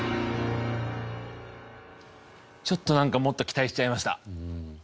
ちょっとなんかもっと期待しちゃいました。